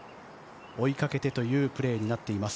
追いかけてというプレーになっています。